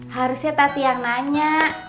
harusnya tati yang nanya